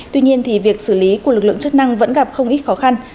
tuy nhiên thì việc xử lý của lực lượng chức năng vẫn gặp không ít khó khăn